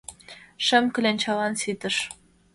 — Шым кленчалан ситыш.